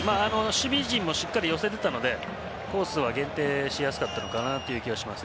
守備陣もしっかり寄せていたのでコースを限定しやすかったのと思います。